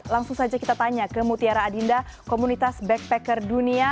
langsung saja kita tanya ke mutiara adinda komunitas backpacker dunia